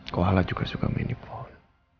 koala juga suka main di pohon